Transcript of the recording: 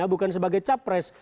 bukan sebagai capres